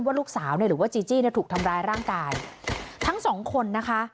ว่าลูกสาวเนี่ยหรือว่าจีจี้เนี่ยถูกทำร้ายร่างกายทั้งสองคนนะคะ